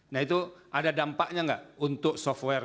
nah itu ada dampaknya nggak untuk software